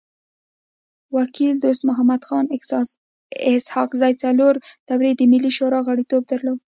وکيل دوست محمد خان اسحق زی څلور دوري د ملي شورا غړیتوب درلود.